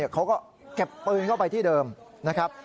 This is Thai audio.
เขาก็เก็บปืนเข้าไปที่เดิมนะครับ